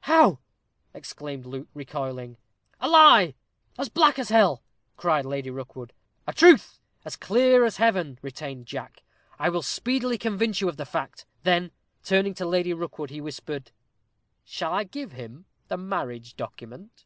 "How?" exclaimed Luke, recoiling. "A lie, as black as hell," cried Lady Rookwood. "A truth, as clear as heaven," retained Jack. "I will speedily convince you of the fact." Then, turning to Lady Rookwood, he whispered, "Shall I give him the marriage document?"